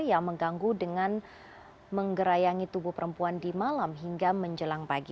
yang mengganggu dengan menggerayangi tubuh perempuan di malam hingga menjelang pagi